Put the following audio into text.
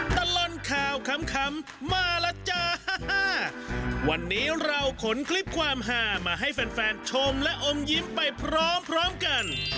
ตลอดข่าวขำมาแล้วจ้าวันนี้เราขนคลิปความหามาให้แฟนแฟนชมและอมยิ้มไปพร้อมพร้อมกัน